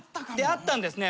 あったんですね。